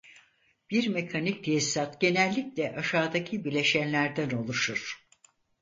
Bir mekanik tesisat genellikle aşağıdaki bileşenlerden oluşur.